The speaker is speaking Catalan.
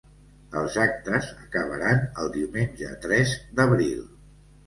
Els actes acabaran el diumenge tres d’abril.